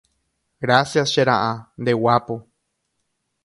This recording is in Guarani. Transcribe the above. Gracias, che ra’a. Nde guápo.